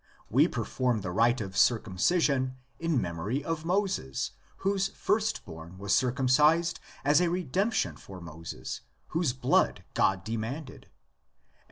We perform the rite of circumcision in memory of Moses, whose firstborn was circumcised as a redemption for Moses whose blood God demanded (Ex.